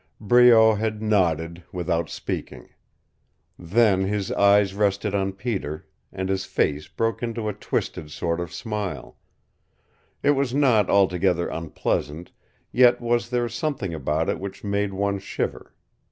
Breault had nodded, without speaking. Then his eyes rested on Peter, and his face broke into a twisted sort of smile. It was not altogether unpleasant, yet was there something about it which made one shiver.